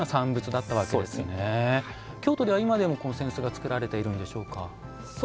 京都では今でも扇子が作られているんでしょうか。